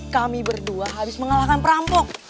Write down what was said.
kami berdua habis mengalahkan perampok